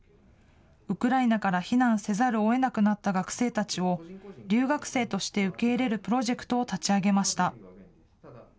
ウクライナから避難せざるをえなくなった学生たちを留学生として受け入れるプロジェクトを立ち上げました。